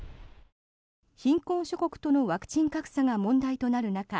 貧困諸国とのワクチン格差が問題となる中